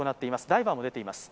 ダイバーも出ています。